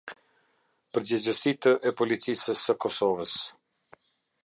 Përgjegjësitë e Policisë së Kosovës.